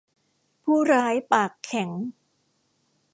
ผู้ร้ายปากแข็ง